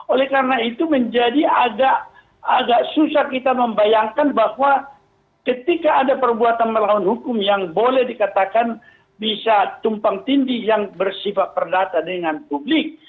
oleh karena itu menjadi agak susah kita membayangkan bahwa ketika ada perbuatan melawan hukum yang boleh dikatakan bisa tumpang tindih yang bersifat perdata dengan publik